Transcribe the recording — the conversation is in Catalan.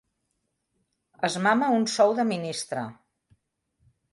Es mama un sou de ministre.